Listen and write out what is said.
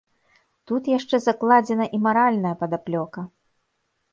Тут яшчэ закладзена і маральная падаплёка.